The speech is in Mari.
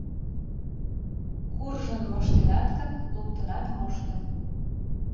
Куржын моштенат гын, луктынат мошто!»